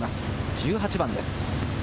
１８番です。